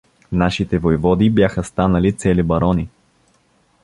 Нашите войводи бяха станали цели барони.